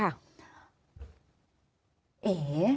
ใช่ค่ะ